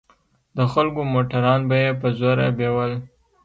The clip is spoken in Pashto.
د خلکو موټران به يې په زوره بيول.